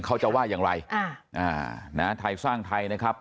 เขาจะว่าอย่างไรนะไทยสร้างไทยนะครับ